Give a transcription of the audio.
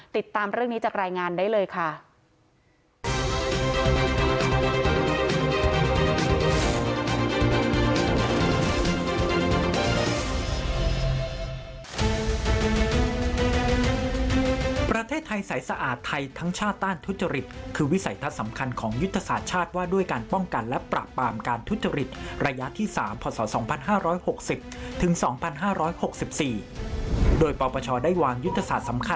ติดตามเรื่องนี้จากรายงานได้เลยค่ะ